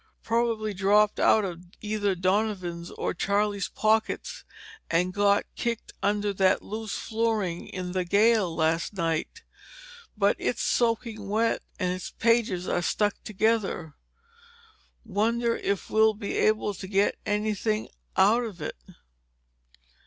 Probably dropped out of either Donovan's or Charlie's pockets and got kicked under that loose flooring in the gale last night. But it's soaking wet and its pages are stuck together. Wonder if we'll be able to get anything out of it?"